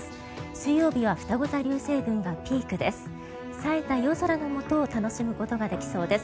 水曜日はふたご座流星群がピークです。